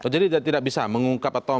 jadi tidak bisa mengungkap atau